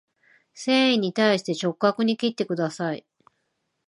繊維に対して直角に切ってください